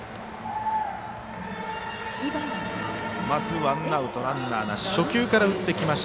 まずワンアウトランナーなし。